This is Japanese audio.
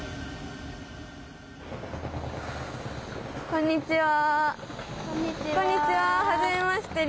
こんにちは。